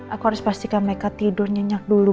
aku harus pastikan mereka tidur nyenyak dulu